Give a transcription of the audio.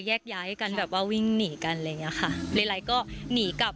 แยกย้ายกันแบบว่าวิ่งหนีกันอะไรอย่างเงี้ยค่ะหลายก็หนีกลับ